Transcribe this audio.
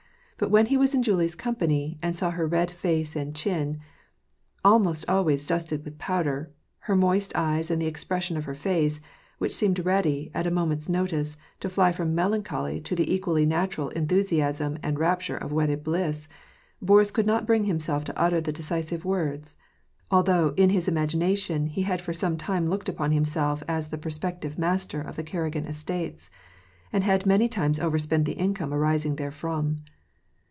But when he was in Julie's company, and saw her red face and chin, almost always dusted with powder, her moist eyes, and the expression of her face, which seemed ready, at a moment's notice, to fly from melancholy to the equally unnatural en thusiasm and rapture of wedded bliss, Boris could not bring himself to utter the decisive words : although, in his im^ina tion, he had for some time looked upon himself as the pro spective master of the Raragin estates, and had many times over spent the income arising therefrom.